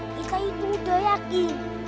kita itu udah yakin